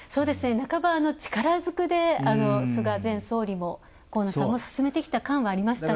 半ば、力ずくで菅前総理も、河野さんも進めてきた感はありましたね。